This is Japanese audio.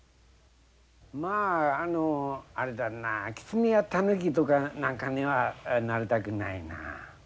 まああのあれだなキツネやタヌキとかなんかにはなりたくないなあ。